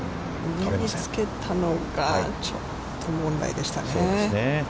上につけたのが、ちょっと問題でしたね。